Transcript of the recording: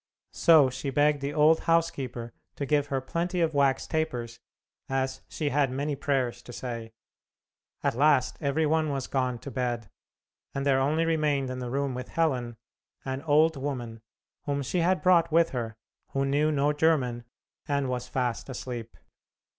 So she begged the old housekeeper to give her plenty of wax tapers, as she had many prayers to say. At last every one was gone to bed, and there only remained in the room with Helen, an old woman, whom she had brought with her, who knew no German, and was fast asleep.